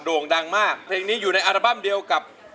่งดังมากเพลงนี้อยู่ในอัลบั้มเดียวกับ